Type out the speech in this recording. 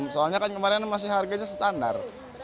soalnya kan kemarin masih harganya standar